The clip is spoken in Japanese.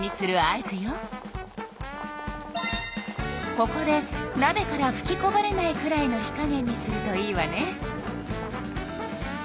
ここでなべからふきこぼれないくらいの火加減にするといいわね。